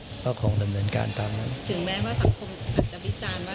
ถึงแม้ว่าสังคมอาจจะวิจารณ์ว่าร่าช้าตรงนี้